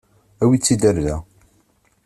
Awi-tt-id ɣer da.